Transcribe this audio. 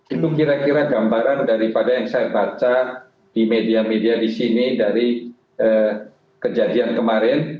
itu kira kira gambaran daripada yang saya baca di media media di sini dari kejadian kemarin